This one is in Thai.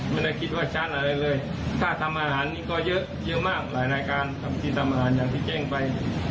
ไม่ได้คิดว่าชั้นอะไรเลยถ้าทำอาหารนี่ก็เยอะเยอะมากหลายรายการที่ทำอาหารอย่างที่แจ้งไป